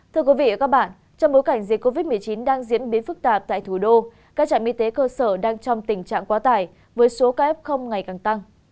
trong bối cảnh dịch covid một mươi chín đang diễn biến phức tạp tại thủ đô các trạm y tế cơ sở đang trong tình trạng quá tải với số ca f ngày càng tăng